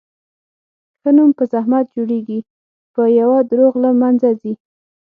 ښه نوم په زحمت جوړېږي، په یوه دروغ له منځه ځي.